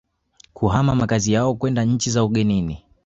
kuhama makazi yao kwenda nchi za ugenini